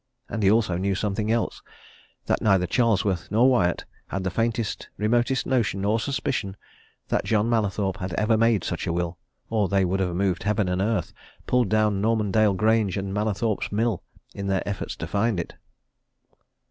And he also knew something else that neither Charlesworth nor Wyatt had the faintest, remotest notion or suspicion that John Mallathorpe had ever made such a will, or they would have moved heaven and earth, pulled down Normandale Grange and Mallathorpe's Mill, in their efforts to find it.